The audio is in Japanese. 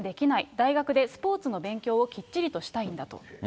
大学でスポーツの勉強をきっちりとしたいんだと。